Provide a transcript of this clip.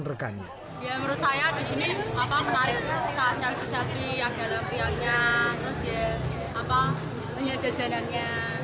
ya menurut saya disini menarik seri seri yang dalam pihaknya terus ya penyajian penyajianannya